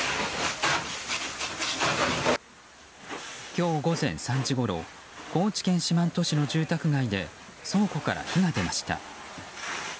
今日午前３時ごろ高知県四万十市の住宅街で倉庫から火が出ました。